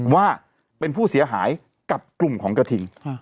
ว่าเป็นผู้เสียหายกับกลุ่มของกระทิง